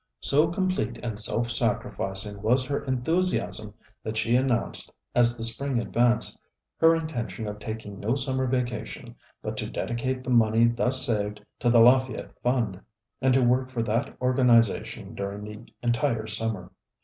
So complete and self sacrificing was her enthusiasm that she announced, as the spring advanced, her intention of taking no summer vacation, but to dedicate the money thus saved to the Lafayette Fund, and to work for that organization during the entire summer.